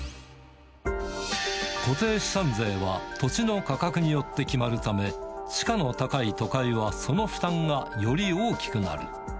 固定資産税は土地の価格によって決まるため、地価の高い都会はその負担がより大きくなる。